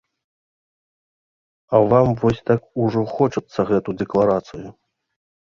А вам вось так ужо хочацца гэтую дэкларацыю?